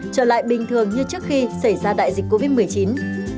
trở lại bình thường như trước khi xảy ra đại dịch covid một mươi chín